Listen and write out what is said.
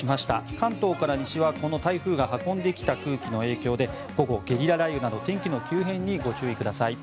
関東から西は、この台風が運んできた空気の影響で午後、ゲリラ雷雨など天気の急変にご注意ください。